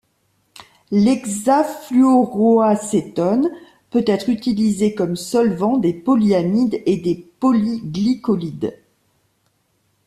L'hexafluoroacétone peut être utilisé comme solvant des polyamides et des polyglycolides.